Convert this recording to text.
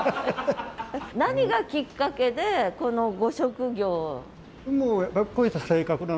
何がきっかけでこのご職業。